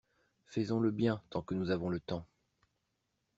Faisons le bien tant que nous avons le temps.